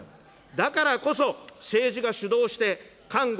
だからこそ、政治が主導して看護、